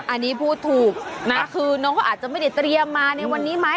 อันนี้พูดถูกนะคือน้องเขาอาจจะไม่ได้เตรียมมาในวันนี้ไหม